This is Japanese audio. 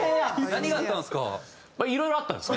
何があったんですか？